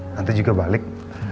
nanti juga balik